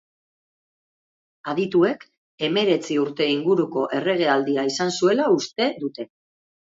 Adituek, hemeretzi urte inguruko erregealdia izan zuela uste dute.